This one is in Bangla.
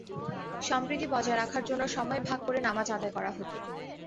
সম্প্রীতি বজায় রাখার জন্য সময় ভাগ করে নামাজ আদায় করা হতো।